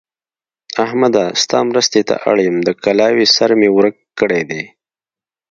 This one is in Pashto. احمده! ستا مرستې ته اړ يم؛ د کلاوې سر مې ورک کړی دی.